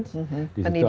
pendidikan di situ